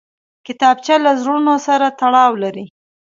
کتابچه له زړونو سره تړاو لري